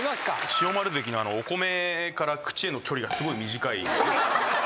千代丸関のお米から口への距離がすごい短い。